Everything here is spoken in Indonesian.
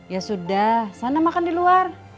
ya sudah sana makan di luar